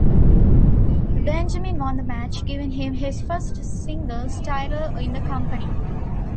Benjamin won the match, giving him his first singles title in the company.